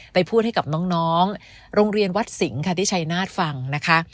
ไปพูดให้กับน้องโรงเรียนวัดสิงห์ค่ะที่ชัยนาศฟังนะคะ